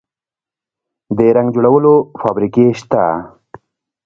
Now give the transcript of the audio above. د رنګ جوړولو فابریکې شته؟